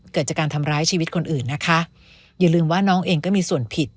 เกิดจากการทำร้ายชีวิตคนอื่นนะคะอย่าลืมว่าน้องเองก็มีส่วนผิด